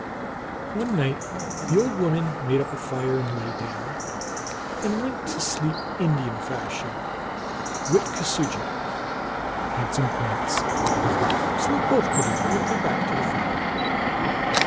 One night the old women made up a fire, and lay down and \vent to sleep Indian fashion, witkusoodi jik, heads and points, so that both could lie with their back to the fire.